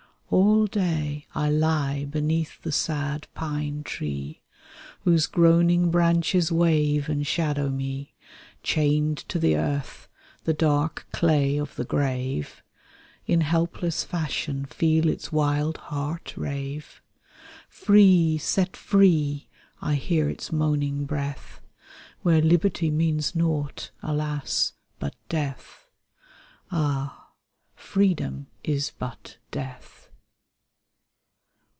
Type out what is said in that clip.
All day I lie beneath the sad pine tree, Whose groaning branches wave and shadow me, THE SAD YEARS THE PRISONER (Continued) Chained to the earth, the dark clay of the grave, In helpless passion feel its wild heart rave, ^7ree, set me free," I hear its moaning breath. Where liberty means nought, alas, but death. Ah, freedom is but death.